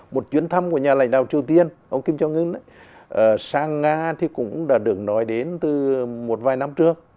một chuyến thăm của nhà lãnh đạo triều tiên ông kim jong un sang nga thì cũng đã được nói đến từ một vài năm trước